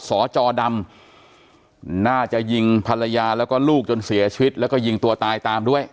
สจดำน่าจะยิงภรรยาแล้วก็ลูกจนเสียชีวิตแล้วก็ยิงตัวตายตามด้วย